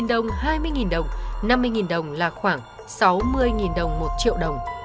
một mươi đồng hai mươi đồng năm mươi đồng là khoảng sáu mươi đồng một triệu đồng